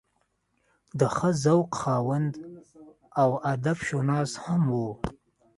د ښۀ ذوق خاوند او ادب شناس هم وو